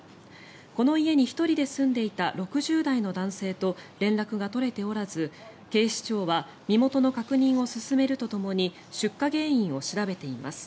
この家に１人で住んでいた６０代の男性と連絡が取れておらず警視庁は身元の確認を進めるとともに出火原因を調べています。